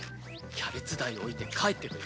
キャベツ代置いて帰ってくれ。